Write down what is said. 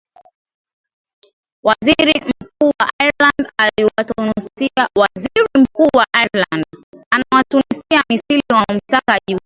waziri mkuu wa ireland anawatunisia misili wanaomtaka ajiuzulu